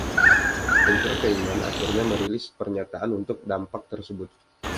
Entertainment akhirnya merilis pernyataan untuk dampak tersebut.